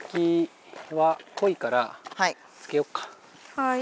はい。